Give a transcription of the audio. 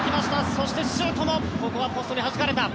そしてシュートもここはポストにはじかれた。